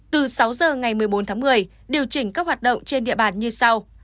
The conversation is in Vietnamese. từ sáu giờ ngày một mươi bốn tháng một mươi điều chỉnh các hoạt động trên địa bàn như sau